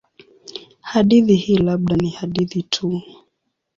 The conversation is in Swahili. Hadithi hii labda ni hadithi tu.